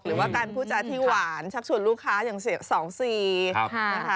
หรือว่าการพูดจาที่หวานชักชวนลูกค้าอย่าง๒๔นะคะ